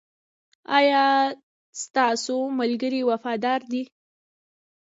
ایا ستاسو ملګري وفادار دي؟